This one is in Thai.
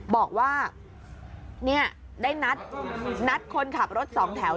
บอกว่าได้นัดคนขับรถสองแถว